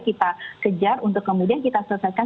kita kejar untuk kemudian kita selesaikan